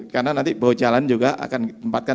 karena nanti bawa jalan juga akan ditempatkan